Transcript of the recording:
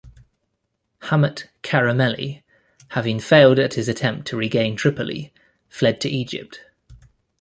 Hamet Caramelli, having failed at his attempt to regain Tripoli, fled to Egypt.